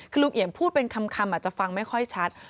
คือลุงเอี่ยมพูดเป็นคำอาจจะฟังไม่ค่อยชัด